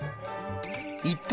一体